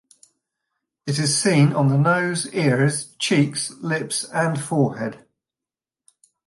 It is seen on the nose, ears, cheeks, lips, and forehead.